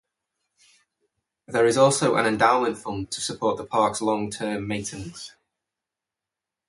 There is also an endowment fund to support the park's long-term maintenance.